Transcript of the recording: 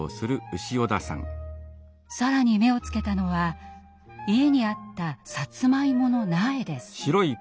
更に目をつけたのは家にあったさつまいもの苗です。